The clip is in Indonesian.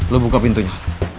lu buka pintunya